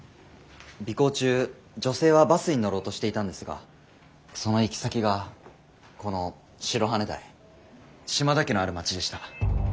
尾行中女性はバスに乗ろうとしていたんですがその行き先がこの白羽台島田家のある街でした。